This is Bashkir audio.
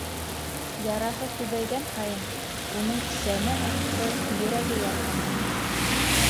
Яраһы күбәйгән һайын, уның сәме артты, йөрәге ярһыны.